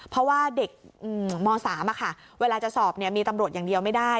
เพราะว่าเด็กม๓เวลาจะสอบมีตำรวจอย่างเดียวไม่ได้